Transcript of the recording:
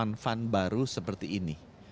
dan diperoleh fund baru seperti ini